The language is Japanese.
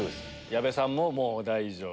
矢部さんももう大丈夫。